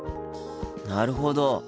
なるほど。